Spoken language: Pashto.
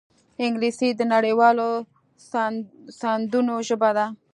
انګلیسي د نړيوالو سندونو ژبه ده